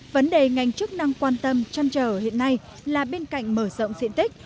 vấn đề ngành chức năng quan tâm chăn trở hiện nay là bên cạnh mở rộng diện tích